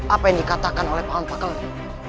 apa yang dikatakan oleh paham pak kelem